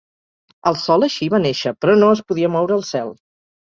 El sol, així, va néixer, però no es podia moure al cel.